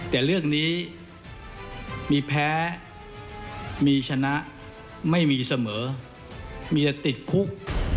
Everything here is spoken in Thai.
แต่เรื่องนี้มีแพ้มีชนะไม่มีเสมอมีแต่ติดคุก